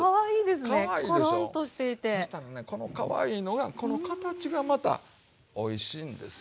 そしたらねこのかわいいのがこの形がまたおいしいんですよ。